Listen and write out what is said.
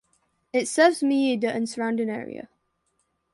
It serves Majida and surrounding area.